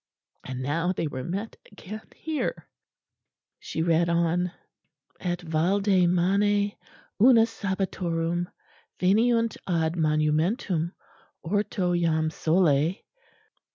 And now they were met again here. She read on: "'_Et valde mane una sabbatorum, veniunt ad monumentum, orto jam sole.